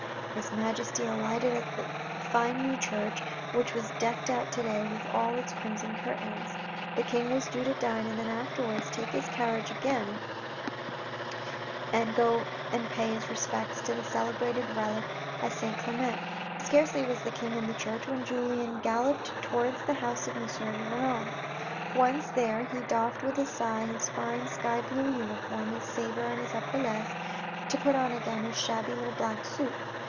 His Majesty alighted at the fine new church, which was decked out to day with all its crimson curtains. The King was due to dine, and then afterwards take his carriage again 108 THE RED AND THE BLACK and go and pay his respects to the celebrated relic of Saint Clement. Scarcely was the King in the church than Julien galloped towards the house of M. de Renal. Once there he doffed with a sigh his fine sky blue uniform, his sabre and his epaulettes, to put on again his shabby little black suit.